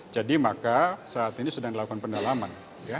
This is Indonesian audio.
jadi maka saat ini sedang dilakukan pendalaman